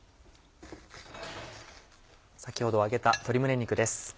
先ほど揚げた鶏胸肉です。